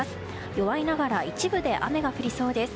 弱いながら一部で雨が降りそうです。